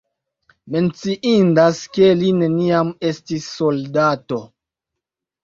Menciindas, ke li neniam estis soldato.